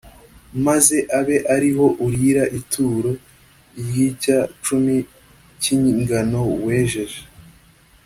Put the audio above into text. maze abe ari ho urira ituro ry’icya cumi cy’ingano wejeje,